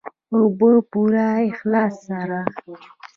او په پوره اخلاص سره.